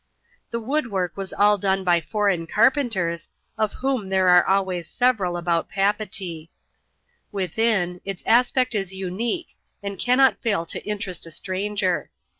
The wood work was. all done by foreign carpenters, of whom there are always several about Papeetee. Within, its aspect is unique, and cannot fail to interest a stranger.